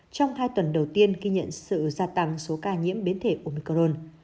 trong hai tuần đầu tiên ghi nhận sự gia tăng số ca nhiễm biến thể omicron